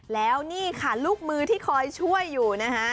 แล้วนี่ค่ะลูกมือที่คอยช่วยอยู่นะคะ